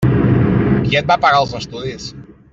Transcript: Qui et va pagar els estudis?